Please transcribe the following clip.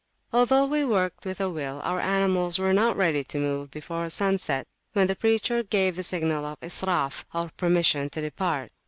Although we worked with a will, our animals were not ready to move before sunset, when the preacher gave the signal of Israf, or permission to depart.